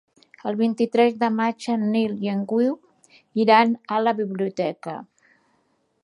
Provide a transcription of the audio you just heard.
El vint-i-tres de maig en Nil i en Guiu iran a la biblioteca.